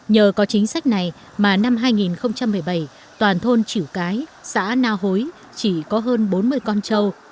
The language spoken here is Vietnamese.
nhờ có chính sách này mà năm hai nghìn một mươi bảy toàn thôn chỉu cái xã na hối chỉ có hơn bốn mươi con trâu